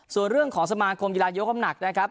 ส่วนเรื่องของสมาคมกีฬายกคำหนักนะครับ